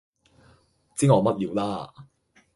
知我乜料啦